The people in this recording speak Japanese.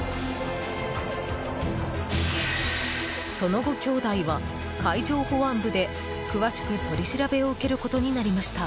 その後、兄弟は海上保安部で詳しく取り調べを受けることになりました。